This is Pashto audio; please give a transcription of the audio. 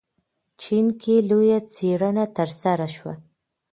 چین کې لویه څېړنه ترسره شوه.